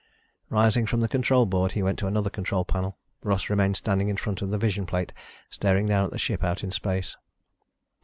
Rising from the control board, he went to another control panel. Russ remained standing in front of the vision plate, staring down at the ship out in space.